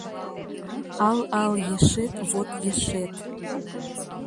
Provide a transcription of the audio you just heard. Ал ал ешет вот ешет.